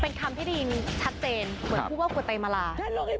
เป็นคำที่ได้ยินชัดเจน